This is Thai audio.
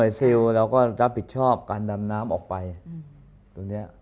ซิลเราก็รับผิดชอบการดำน้ำออกไปตรงนี้